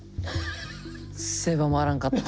狭まらんかった。